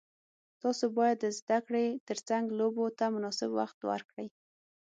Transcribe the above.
تاسو باید د زده کړې ترڅنګ لوبو ته مناسب وخت ورکړئ.